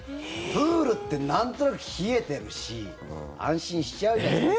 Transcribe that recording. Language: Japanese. プールってなんとなく冷えてるし安心しちゃうじゃないですか。